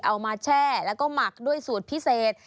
แช่แล้วก็หมักด้วยสูตรพิเศษ